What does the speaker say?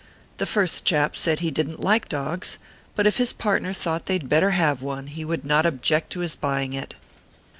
The first chap said he didn t like dogs, but if his partner thought they d better have one, he would not object to his buying it.